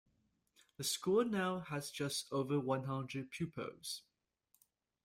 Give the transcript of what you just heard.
The school now has just over one hundred pupils.